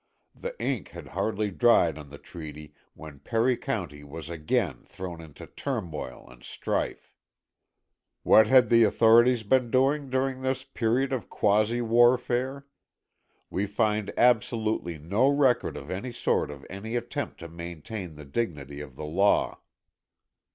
The ink had hardly dried on the treaty when Perry County was again thrown into turmoil and strife. What had the authorities been doing during this period of quasi warfare? We find absolutely no record of any sort of any attempt to maintain the dignity of the law.